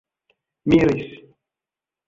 miris